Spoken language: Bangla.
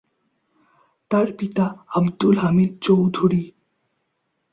তার পিতা আব্দুল হামিদ চৌধুরী।